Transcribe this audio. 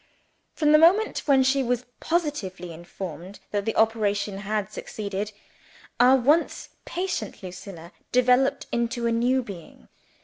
From the moment when she was positively informed that the operation had succeeded, our once patient Lucilla developed into a new being.